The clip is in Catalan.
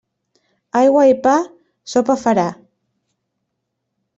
Aigua i pa, sopa farà.